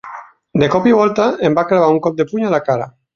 De cop i volta, em va clavar un cop de puny a la cara.